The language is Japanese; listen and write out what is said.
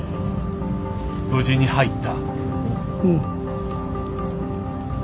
無事に入った。